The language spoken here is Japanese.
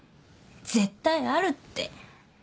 絶対あるって。